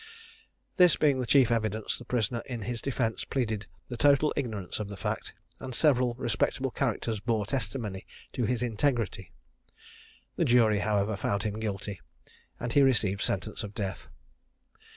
This being the chief evidence, the prisoner in his defence pleaded a total ignorance of the fact, and several respectable characters bore testimony to his integrity. The jury, however, found him guilty, and he received sentence of death.